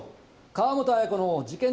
川本綾子の事件